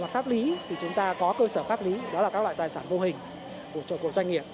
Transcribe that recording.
pháp lý thì chúng ta có cơ sở pháp lý đó là các loại tài sản vô hình của doanh nghiệp